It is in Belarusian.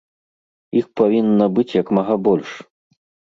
Іх павінна быць як мага больш!